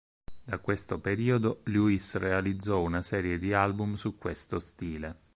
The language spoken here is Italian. Da questo periodo, Lewis realizzò una serie di album su questo stile.